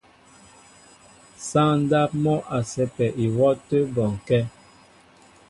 Sááŋ ndáp mɔ́ a sɛ́pɛ ihwɔ́ a tə́ bɔnkɛ́.